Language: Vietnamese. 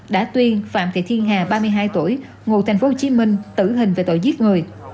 đã tuyên phạm thị thiên hà ba mươi hai tuổi ngụ thành phố hồ chí minh tử hình về tội giết người